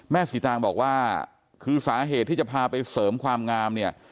สีตางบอกว่าคือสาเหตุที่จะพาไปเสริมความงามเนี่ย